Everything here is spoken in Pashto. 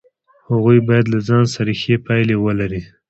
هغوی باید له ځان سره ښې پایلې ولري.